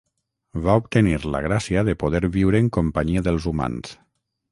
Va obtenir la gràcia de poder viure en companyia dels humans.